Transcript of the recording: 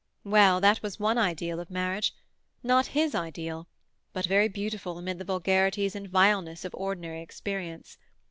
Well, that was one ideal of marriage. Not his ideal; but very beautiful amid the vulgarities and vileness of ordinary experience.